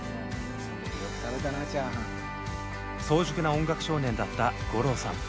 早熟な音楽少年だった五郎さん。